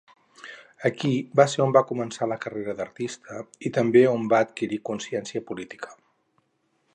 Aquí va ser on començà la carrera d'artista i també on va adquirir consciència política.